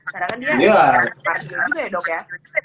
karena kan dia